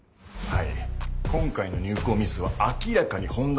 はい。